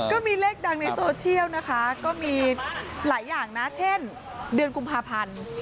ก็มีเลขดังในโซเชียลนะคะก็มีหลายอย่างนะเช่นเดือนกุมภาพันธ์